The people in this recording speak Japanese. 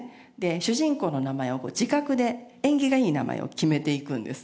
主人公の名前を字画で縁起がいい名前を決めていくんです。